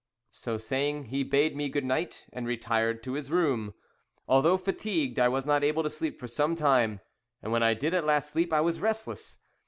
So saying, he bade me good night, and retired to his room. Although fatigued, I was not able to sleep for some time, and when I did at last sleep I was restless.